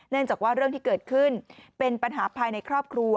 จากว่าเรื่องที่เกิดขึ้นเป็นปัญหาภายในครอบครัว